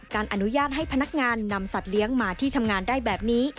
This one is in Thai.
อนุญาตให้พนักงานนำสัตว์เลี้ยงมาที่ทำงานได้แบบนี้